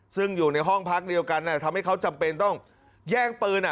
ซึ่งอยู่ในห้องพักเดียวกันทำให้เขาจำเป็นต้องแย่งปืน